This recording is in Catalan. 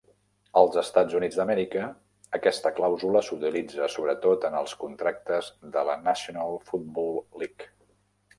Als EUA, aquesta clàusula s'utilitza sobretot en els contractes de la National Football League.